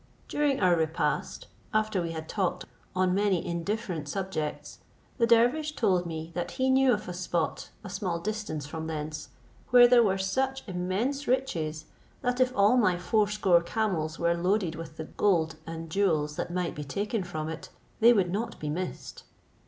During our repast, after we had talked on many indifferent subjects, the dervish told me that he knew of a spot a small distance from thence, where there were such immense riches, that if all my fourscore camels were loaded with the gold and jewels that might be taken from it, they would not be missed.